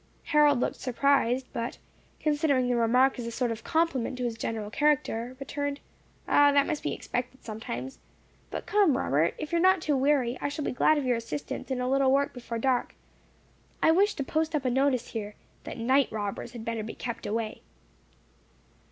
Harold looked surprised, but considering the remark as a sort of compliment to his general character, returned, "O, that must be expected sometimes. But come, Robert, if you are not too weary, I shall be glad of your assistance in a little work before dark. I wish to post up a notice here, that night robbers had better keep away."